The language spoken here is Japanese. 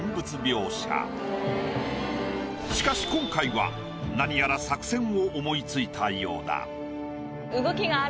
しかし今回は何やら作戦を思い付いたようだ。